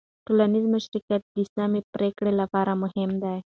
ټولنیز مشارکت د سمې پرېکړې لپاره مهم دی.